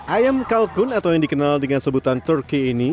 ayam kalkun atau yang dikenal dengan sebutan turki ini